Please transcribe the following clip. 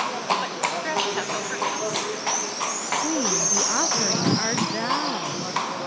What distress hath overcome theeT PHORKYAS. Queen, the offering art thou